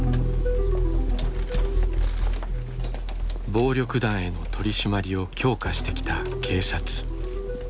暴力団への取り締まりを強化してきた警察。